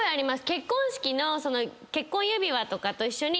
結婚式の結婚指輪とかと一緒に。